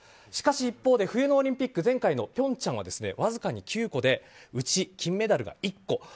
しかし一方で冬のオリンピック前回の平昌はわずかに９個でうち金メダルが１個。